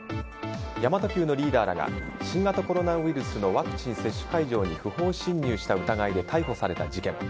神真都Ｑのリーダーらが新型コロナウイルスのワクチン接種会場に不法侵入した疑いで逮捕された事件。